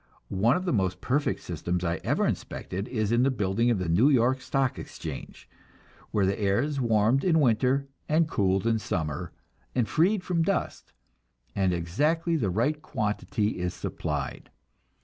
One of the most perfect systems I ever inspected is in the building of the New York Stock Exchange, where the air is warmed in winter, and cooled in summer, and freed from dust, and exactly the right quantity is supplied.